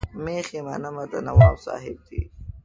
مېښې منمه د نواب صاحب دي.